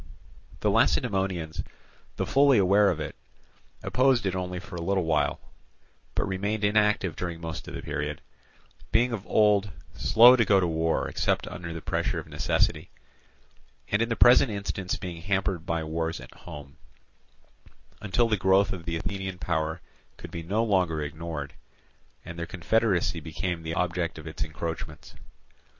The Lacedaemonians, though fully aware of it, opposed it only for a little while, but remained inactive during most of the period, being of old slow to go to war except under the pressure of necessity, and in the present instance being hampered by wars at home; until the growth of the Athenian power could be no longer ignored, and their own confederacy became the object of its encroachments.